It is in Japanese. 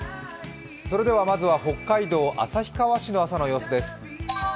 それではまずは北海道旭川市の朝の様子です。